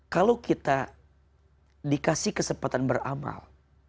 kalau kita dikasih kesempatan beramal